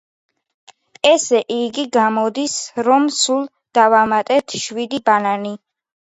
ესე იგი, გამოდის, რომ სულ დავამატეთ შვიდი ბანანი.